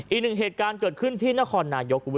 อีกหนึ่งเหตุการณ์เกิดขึ้นที่นครนายก